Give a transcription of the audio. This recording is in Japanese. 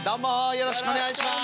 よろしくお願いします。